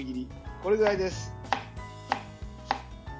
これぐらいです。